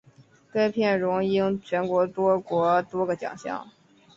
该片荣膺全球多国多个奖项。